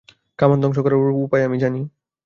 কামান ধ্বংস করার উপায় আমি জানি।